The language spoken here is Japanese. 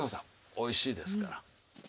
おいしいですから。